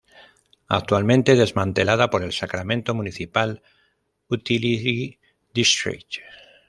Actualmente desmantelada por el Sacramento Municipal Utility District.